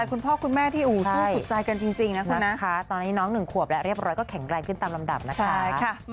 คือถ้าเกิดว่าจะมีคุณที่สองจริงมันก็อาจจะต้องเหนื่อยกว่าการหามองมากกว่านี้